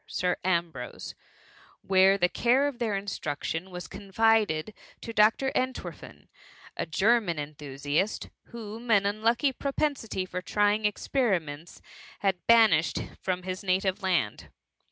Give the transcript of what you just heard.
Sir Ambrose, where the care of their instruction was confided to Dr. Ent« werfen, a German enthusiast, whom an unlucky propensity for trying experiments had banished from his native land.